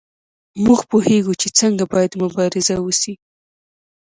موږ پوهیږو چې څنګه باید مبارزه وشي.